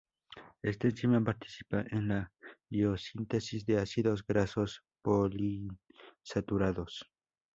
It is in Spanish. Esta enzima participa en la biosíntesis de ácidos grasos poliinsaturados.